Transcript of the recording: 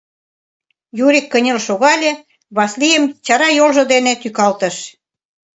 Юрик кынел шогале, Васлийым чара йолжо дене тӱкалтыш: